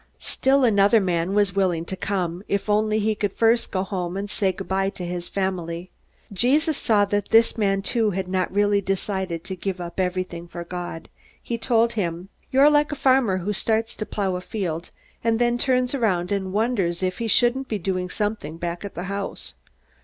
Still another man was willing to come, if only he could first go home and say good by to his family. Jesus saw that this man too had not really decided to give up everything for God. He told him: "You're like a farmer who starts to plow a field, and then turns around and wonders if he shouldn't be doing something back at the house.